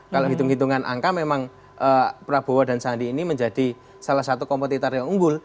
kalau hitung hitungan angka memang prabowo dan sandi ini menjadi salah satu kompetitor yang unggul